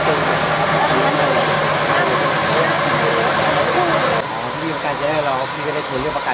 และอันดับสุดท้ายประเทศอเมริกา